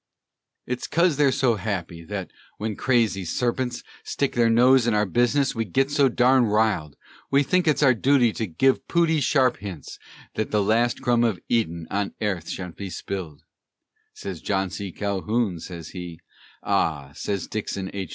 "It's 'coz they're so happy, thet, wen crazy sarpints Stick their nose in our bizness, we git so darned riled; We think it's our dooty to give pooty sharp hints, Thet the last crumb of Eden on airth sha'n't be spiled," Sez John C. Calhoun, sez he; "Ah," sez Dixon H.